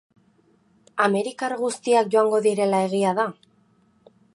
Amerikar guztiak joango direla egia da?